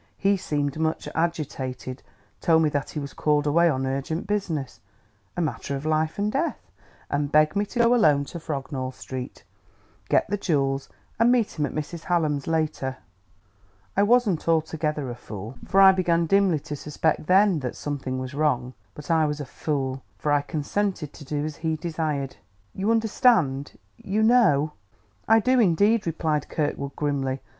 He seemed much agitated, told me that he was called away on urgent business, a matter of life and death, and begged me to go alone to Frognall Street, get the jewels and meet him at Mrs. Hallam's later.... I wasn't altogether a fool, for I began dimly to suspect, then, that something was wrong; but I was a fool, for I consented to do as he desired. You understand you know ?" "I do, indeed," replied Kirkwood grimly.